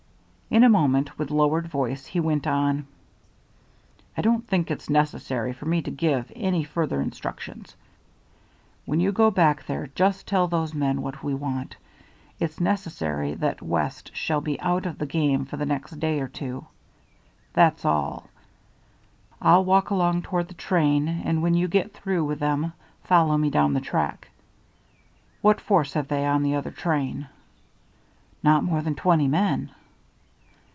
In a moment, with lowered voice he went on: "I don't think it's necessary for me to give any further instructions. When you go back there just tell those men what we want. It's necessary that West shall be out of the game for the next day or two, that's all. I'll walk along toward the train, and when you get through with them follow me down the track. What force have they on the other train?" "Not more than twenty men."